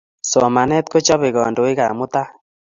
Somanet ko chopei kandoikap mutai